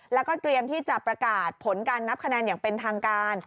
แล้วก็เตรียมที่จะประกาศผลการนับคะแนนอย่างเป็นทางการ